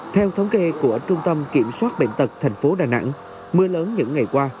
theo thống kê của trung tâm kiểm soát bệnh tật thành phố đà nẵng mưa lớn những ngày qua